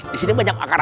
saya pengguna pakde